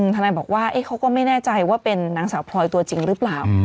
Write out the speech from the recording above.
ทนายบอกว่าเขาก็ไม่แน่ใจว่าเป็นนางสาวพลอยตัวจริงหรือเปล่า